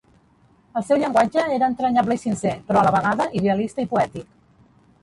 El seu llenguatge era entranyable i sincer però a la vegada idealista i poètic.